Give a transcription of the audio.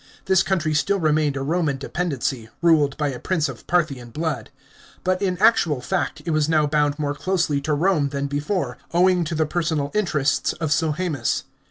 This country still remained a Roman dependency, ruled by a prince of Parthian blood. But in actual fact it was now bound more closely to Rome than before, owing to the personal interests of Sohaemus.